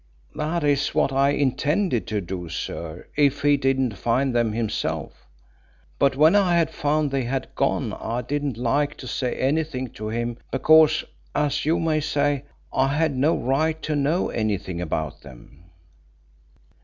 "That is what I intended to do, sir, if he didn't find them himself. But when I had found they had gone I didn't like to say anything to him, because, as you may say, I had no right to know anything about them."